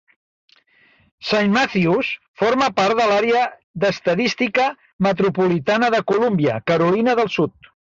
Saint Matthews forma part de l'àrea d'estadística metropolitana de Columbia, Carolina del Sud.